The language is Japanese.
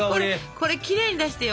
これきれいに出してよ。